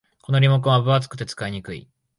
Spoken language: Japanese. このリモコンは分厚くて使いにくい